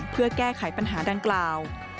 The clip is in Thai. เพื่อแก้ไขปัญหาดังกล่าว